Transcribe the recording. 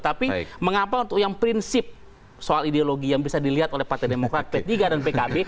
tapi mengapa untuk yang prinsip soal ideologi yang bisa dilihat oleh partai demokrat p tiga dan pkb